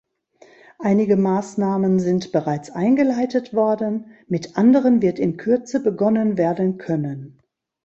Einige Maßnahmen sind bereits eingeleitet worden, mit anderen wird in Kürze begonnen werden können.